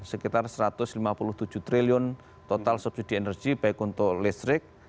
sekitar satu ratus lima puluh tujuh triliun total subsidi energi baik untuk listrik